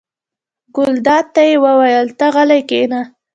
ګلداد ته یې وویل: ته غلی کېنه.